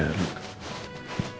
kepala k sexual